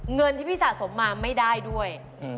เงินที่พี่สะสมมาไม่ได้ด้วย